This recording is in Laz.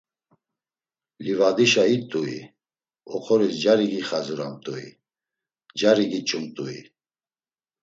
Livadişa it̆ui, oxoris cari gixaziramt̆ui, cari giç̌umt̆ui?